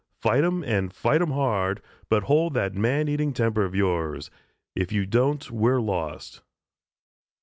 Fight 'em and fight 'em hard, but hold that man eating temper of yours. If you don't, we're lost."